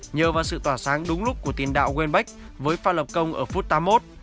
nhờ vào sự tỏa sáng đúng lúc của tiền đạo winbek với pha lập công ở phút tám mươi một